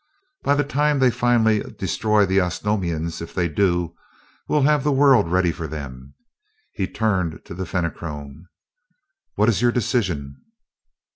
By the time they finally destroy the Osnomians if they do we'll have the world ready for them." He turned to the Fenachrone. "What is your decision?"